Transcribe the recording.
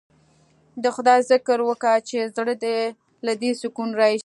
د خداى ذکر وکه چې زړه له دې سکون رايشي.